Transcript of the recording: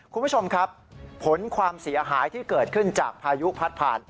คุณผู้ชมครับผลความเสียหายที่เกิดขึ้นจากพายุพัดผ่าน